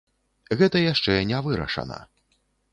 Гэта яшчэ не вырашана.